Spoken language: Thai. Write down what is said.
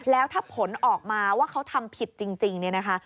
แล้วถ้าผลออกมาว่าเขาทำผิดจริงเนี่ยนะคะ